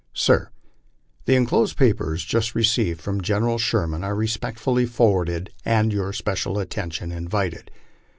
SIR : The enclosed papers, just received from General Sherman, are respectfully forwarded, and your special attention invited.